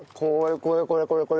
これこれこれこれ。